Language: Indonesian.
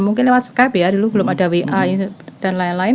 mungkin lewat skype ya dulu belum ada wa dan lain lain